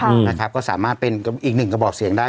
นะครับก็สามารถเป็นอีกหนึ่งกระบอกเสียงได้